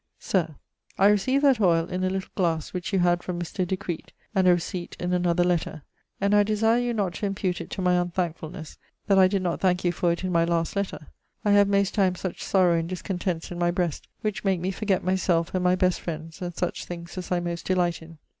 'Sir, 'I received that oyle in a little glasse which you had from Mr. Decreet and a receipt in another letter, and I desire you not to impute it to my unthankefulnes that I did not thanke you for it in my last letter. I have most times such sorrow and discontents in my breast which make me forget my selfe and my best friends and such things as I most delight in.